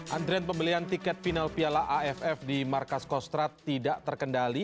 antrian pembelian tiket final piala aff di markas kostrad tidak terkendali